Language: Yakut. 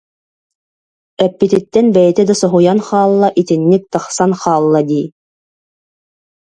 Эппититтэн бэйэтэ да соһуйан хаалла, итинник тахсан хаалла дии